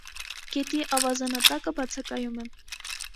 Գետի ավազանատակը բացակայում է։